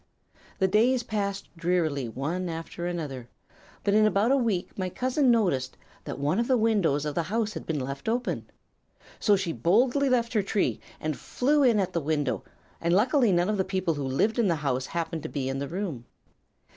"The days passed drearily away, one after another, but in about a week my cousin noticed that one of the windows of the house had been left open. So she boldly left her tree and flew in at the window, and luckily none of the people who lived in the house happened to be in the room.